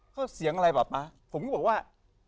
เขาเสียงอะไรป่ะป๊าผมก็บอกว่า